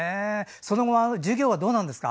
その後、授業はどうなんですか？